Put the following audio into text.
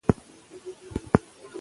ددي حكومت له مخې نړۍ يو تكويني وجود دى ،